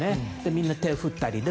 みんな、手を振ったり。